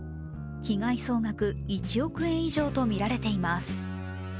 被害総額１億円以上とみられています。